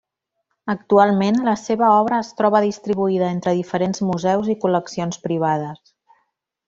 Actualment la seva obra es troba distribuïda entre diferents museus i col·leccions privades.